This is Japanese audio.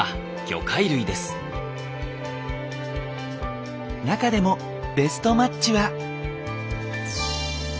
続いては中でもベストマッチは。